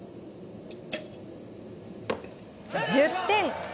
１０点。